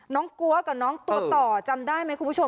กลัวกับน้องตัวต่อจำได้ไหมคุณผู้ชม